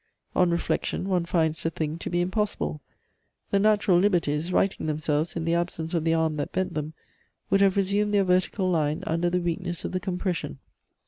On reflexion, one finds the thing to be impossible: the natural liberties, righting themselves in the absence of the arm that bent them, would have resumed their vertical line under the weakness of the compression.